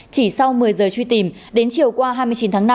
chỉ sau một mươi giờ truy tìm đến chiều qua hai mươi chín tháng năm